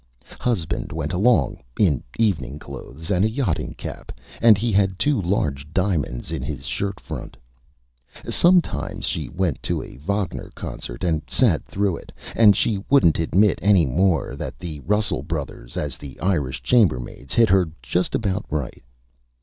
Husband went along, in evening clothes and a Yachting Cap, and he had two large Diamonds in his Shirt Front. Sometimes she went to a Vogner Concert, and sat through it, and she wouldn't Admit any more that the Russell Brothers, as the Irish Chambermaids, hit her just about Right.